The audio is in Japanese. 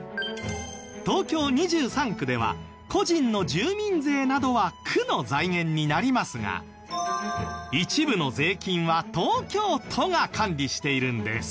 東京２３区では個人の住民税などは区の財源になりますが一部の税金は東京都が管理しているんです。